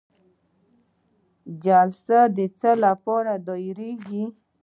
جلسه د څه لپاره دایریږي؟